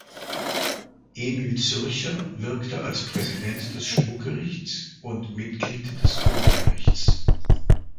Emil Zürcher wirkte als Präsident des Schwurgerichts und Mitglied des Obergerichts.